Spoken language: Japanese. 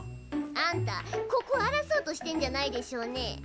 あんたここあらそうとしてんじゃないでしょうね？